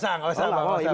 ibu ibu yang maksa anaknya